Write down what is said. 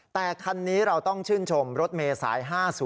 แต่คันนี้เราต้องชื่นชมรถเมษาย๕๐